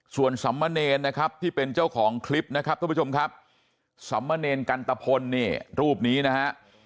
ส่วนสำมะเนรนะครับที่เป็นเจ้าของคลิปนะครับทุกผู้ชมครับสำมะเนรกันตะพลเนี่ยรูปนี้นะฮะ